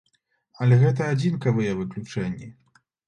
Але гэта адзінкавыя выключэнні.